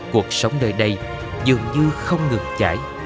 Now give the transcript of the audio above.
cuộc sống nơi đây dường như không ngược trải